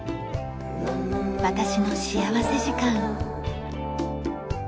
『私の幸福時間』。